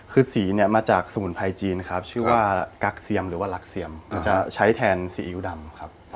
คือสีเนี่ยมาจากสมุนไพรจีนครับชื่อว่ากั๊กเซียมหรือว่าลักเซียมจะใช้แทนซีอิ๊วดำครับ